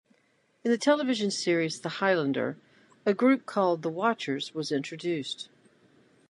In the television series "The Highlander" a group called "The Watchers" was introduced.